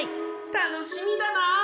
楽しみだな！